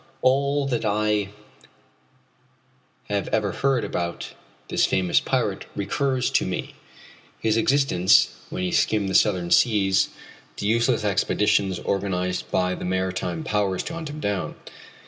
All that I have ever heard about this famous pirate recurs to me his existence when he skimmed the Southern Seas, the useless expeditions organized by the maritime powers to hunt him down.